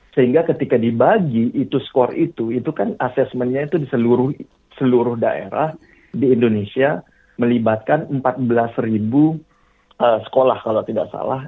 sehingga ketika dibagi itu skor itu itu kan asesmennya itu di seluruh daerah di indonesia melibatkan empat belas sekolah kalau tidak salah